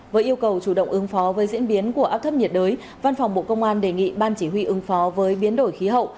với yêu cầu chủ động ứng phó với diễn biến của áp thấp nhiệt đới văn phòng bộ công an đề nghị ban chỉ huy ứng phó với biến đổi khí hậu